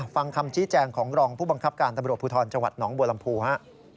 ฟังคำชี้แจงของรองผู้บังคับการตำรวจภูทรจังหวัดหนองบัวลำพูฮะ